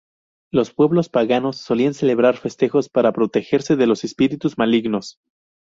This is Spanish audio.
Los pueblos paganos solían celebrar festejos para protegerse de los espíritus malignos.